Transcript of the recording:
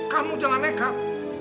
kamu jangan nekat